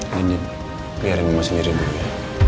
nganjur biarin ma sendiri dulu ya